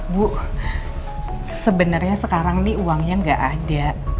bu sebenarnya sekarang ini uangnya nggak ada